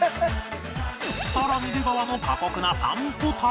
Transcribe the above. さらに出川の過酷な散歩旅